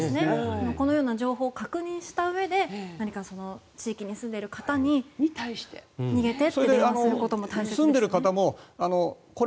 このような情報を確認したうえで地域に住んでいる方に逃げてって電話することも大切ですね。